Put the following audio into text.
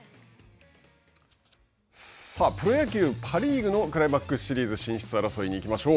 プロ野球パ・リーグのクライマックスシリーズ進出争いに行きましょう。